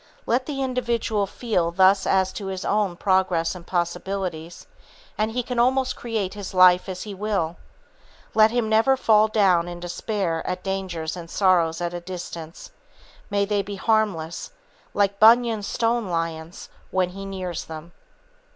Let the individual feel thus as to his own progress and possibilities, and he can almost create his life as he will. Let him never fall down in despair at dangers and sorrows at a distance; they may be harmless, like Bunyan's stone lions, when he nears them.